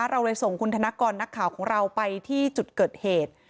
เราเลยส่งคุณธนกรนักข่าวของเราไปที่จุดเกิดเหตุ